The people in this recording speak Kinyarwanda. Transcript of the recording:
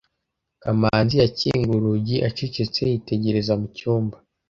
kamanzi yakinguye urugi acecetse yitegereza mu cyumba